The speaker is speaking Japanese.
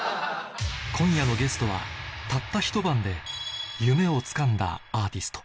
今夜のゲストはたったひと晩で夢をつかんだアーティスト